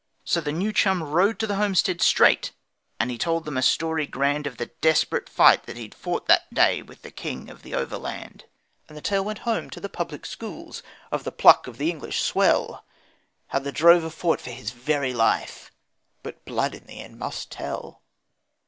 So the new chum rode to the homestead straight and he told them a story grand Of the desperate fight that he fought that day with the King of the Overland. And the tale went home to the Public Schools of the pluck of the English swell, How the drover fought for his very life, but blood in the end must tell.